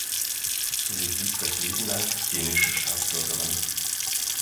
Sie blieb das Leben lang dänische Staatsbürgerin.